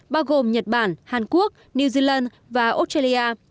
bao gồm nhật bản hàn quốc new zealand và australia